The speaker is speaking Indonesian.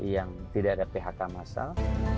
yang tidak ada phk masal